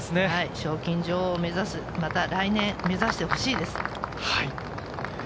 賞金女王、来年目指してほしいです。